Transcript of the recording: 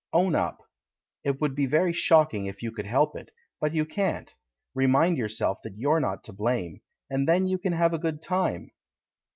Own up! It would be very shocking if you could help it, but you can't ; remind yourself that you're not to blame, and then you can have a good time!"